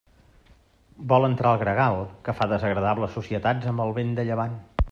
Vol entrar el gregal, que fa desagradables societats amb el vent de llevant.